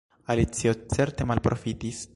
Alicio certe malprofitis.